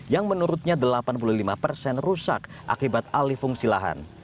yang menurutnya delapan puluh lima persen rusak akibat alih fungsi lahan